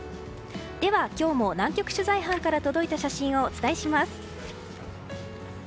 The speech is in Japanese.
では今日も南極取材班から届いた写真をお伝えします。